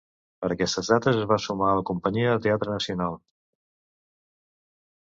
Per aquestes dates es va sumar a la Companyia de Teatre Nacional.